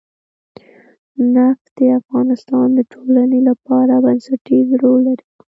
نفت د افغانستان د ټولنې لپاره بنسټيز رول لري.